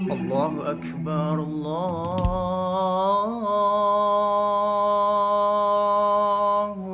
allahu akbar allahu akbar